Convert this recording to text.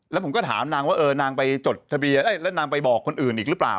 แล้วผมก็ถามนางว่านางไปบอกคนอื่นอีกหรือเปล่า